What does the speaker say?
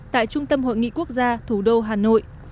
tại trung tâm hội nghị quốc gia thủ đô hà nội